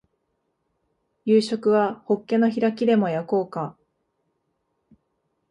夕食はホッケの開きでも焼こうか